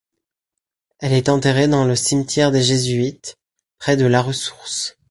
Elle est enterrée dans le cimetière des Jésuites, près de La Ressource.